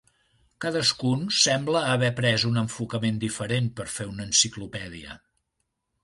Cadascun sembla haver pres un enfocament diferent per fer una enciclopèdia.